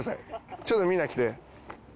ちょっとみんな来て。